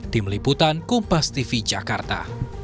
tim liputan kompas tv jakarta